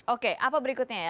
oke apa berikutnya ya